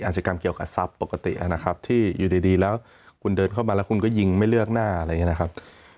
กิจกรรมเกี่ยวกับทรัพย์ปกตินะครับที่อยู่ดีแล้วคุณเดินเข้ามาแล้วคุณก็ยิงไม่เลือกหน้าอะไรอย่างนี้นะครับ